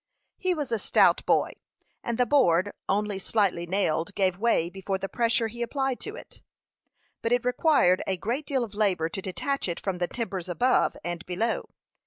He was a stout boy, and the board, only slightly nailed, gave way before the pressure he applied to it; but it required a great deal of labor to detach it from the timbers above and below.